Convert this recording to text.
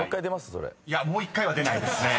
［もう１回は出ないですね］